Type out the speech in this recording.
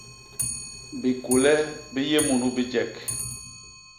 Bikule bi yé munu bijek.